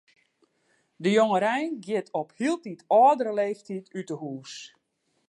De jongerein giet op hieltyd âldere leeftiid út 'e hús.